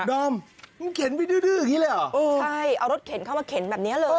ดอมมันเข็นไปดื้ออย่างนี้เลยเหรอเออใช่เอารถเข็นเข้ามาเข็นแบบนี้เลย